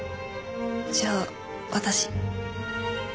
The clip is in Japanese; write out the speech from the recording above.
じゃあ私。